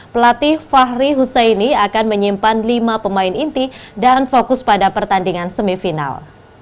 pelatih fahri husaini akan menyimpan lima pemain inti dan fokus pada pertandingan semifinal